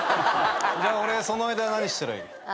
俺その間何したらいい？